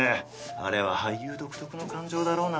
あれは俳優独特の感情だろうな。